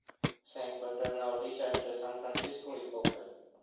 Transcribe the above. Se encuentra en la orilla entre San Francisco y Oakland.